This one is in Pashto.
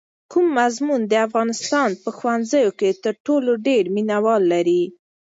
کوم مضمون د افغانستان په ښوونځیو کې تر ټولو ډېر مینه وال لري؟